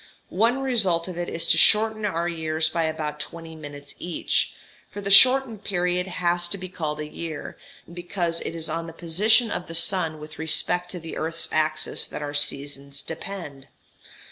(One result of it is to shorten our years by about 20 minutes each; for the shortened period has to be called a year, because it is on the position of the sun with respect to the earth's axis that our seasons depend.)